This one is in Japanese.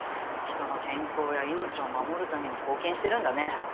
人の健康や命を守るために貢献してるんだね。